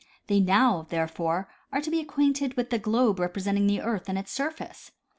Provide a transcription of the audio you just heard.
They now, therefore, are to become acquainted with the globe representing the earth and its surface.